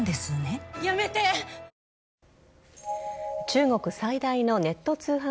中国最大のネット通販